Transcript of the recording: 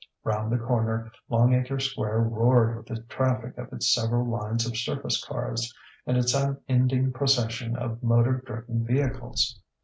Round the corner, Longacre Square roared with the traffic of its several lines of surface cars and its unending procession of motor driven vehicles.